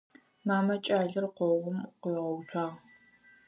Мамэ кӏалэр къогъум къуигъэуцуагъ.